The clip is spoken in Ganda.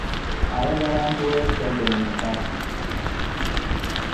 Oyagala nkuweeyo ssente mmeka?